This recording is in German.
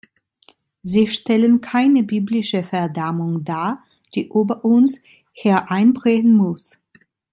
Sie stellen keine biblische Verdammung dar, die über uns hereinbrechen muss.